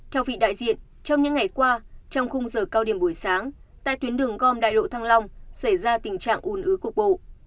theo vị đại diện trong những ngày qua trong khung giờ cao điểm buổi sáng tại tuyến đường gom đại lộ thăng long xảy ra tình trạng ùn ứ cục bộ